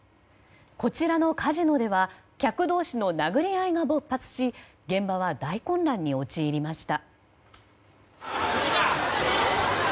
こちらのカジノでは客同士の殴り合いが勃発し現場は大混乱に陥りました。